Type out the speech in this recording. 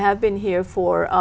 họ đều muốn những gì đó